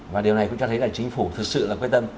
và điều này cũng cho thấy cả chính phủ thực sự là quyết tâm